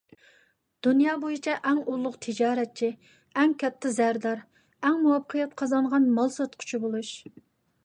دۇنيا بويىچە ئەڭ ئۇلۇغ تىجارەتچى، ئەڭ كاتتا زەردار، ئەڭ مۇۋەپپەقىيەت قازانغان مال ساتقۇچى بولۇش.